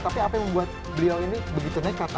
tapi apa yang membuat beliau ini begitu nekat